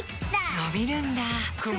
のびるんだ